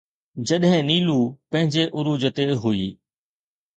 جڏهن نيلو پنهنجي عروج تي هئي.